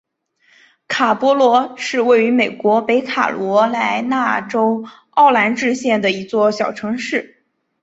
卡勃罗是位于美国北卡罗来纳州奥兰治县的一座小城市。